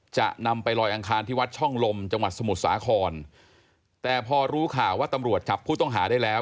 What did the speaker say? จะนำไปลอยอังคารที่วัดช่องลมจังหวัดสมุทรสาครแต่พอรู้ข่าวว่าตำรวจจับผู้ต้องหาได้แล้ว